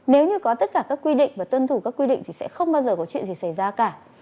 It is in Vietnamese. nếu như có tất cả các quy định và tuân thủ các quy định thì sẽ không bao giờ có chuyện gì xảy ra cả